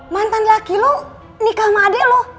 mantan laki lo nikah sama adik lo